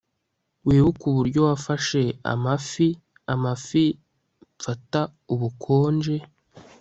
wibuke uburyo wafashe amafi amafi mfata ubukonje